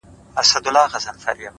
که ژوند راکوې،